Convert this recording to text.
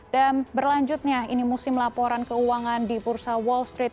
dan berlanjutnya ini musim laporan keuangan di bursa wall street